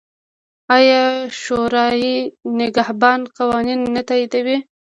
آیا شورای نګهبان قوانین نه تاییدوي؟